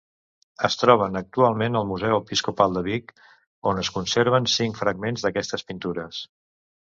Es troben actualment al Museu Episcopal de Vic, on es conserven cinc fragments d'aquestes pintures.